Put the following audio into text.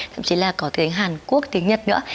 thậm chí là có tiếng hàn quốc tiếng nhật nữa